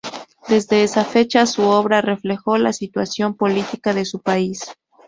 Desde esa fecha, su obra reflejó la situación política de su país.